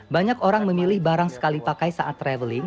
banyak orang memilih barang sekali pakai saat traveling